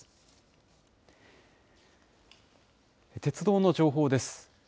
鉄道の情報です。